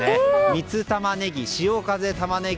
みつタマネギ、潮風タマネギ。